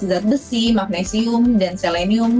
zat besi magnesium dan selenium